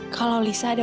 kalau lisa ada di rumah